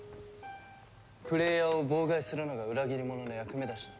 プレイヤーを妨害するのが裏切り者の役目だしな。